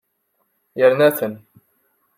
Yerna-ten.